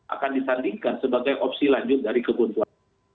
akan disandingkan sebagai opsi lanjut dari kebun tua